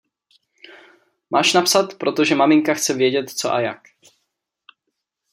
Máš napsat, protože maminka chce vědět co a jak.